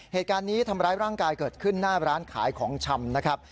เหตุการณ์นี้ทำร้ายร่างกายเกิดขึ้นหน้าร้านขายของชำนะครับ